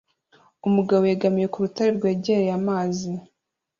Umugabo yegamiye ku rutare rwegereye amazi